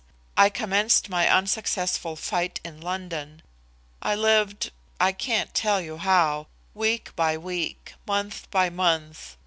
I commenced my unsuccessful fight in London. I lived I can't tell you how week by week, month by month.